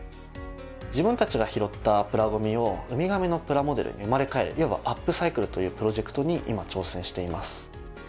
自分たちが拾ったプラゴミをウミガメのプラモデルに生まれ変える要はアップサイクルというプロジェクトに今挑戦しています。